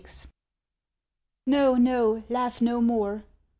XXVI. No, no, laugh no more.